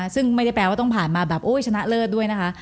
ซึ่งไม่ได้แปลว่าต้องผ่านมาแบบโอ้ยชนะเลิศด้วยนะคะ